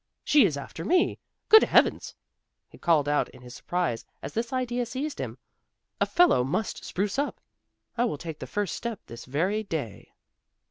She is after me! Good heavens!" he called out in his surprise as this idea seized him. "A fellow must spruce up! I will take the first step this very day."